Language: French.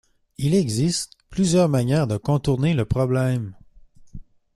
Il existe plusieurs manières de contourner le problème.